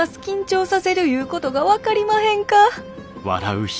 緊張させるいうことが分かりまへんか！